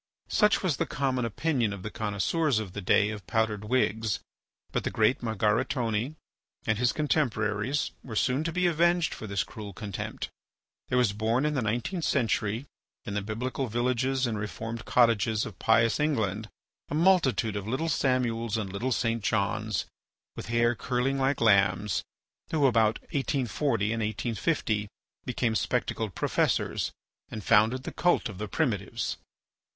Such was the common opinion of the connoisseurs of the days of powdered wigs. But the great Margaritone and his contemporaries were soon to be avenged for this cruel contempt. There was born in the nineteenth century, in the biblical villages and reformed cottages of pious England, a multitude of little Samuels and little St. Johns, with hair curling like lambs, who, about 1840, and 1850, became spectacled professors and founded the cult of the primitives.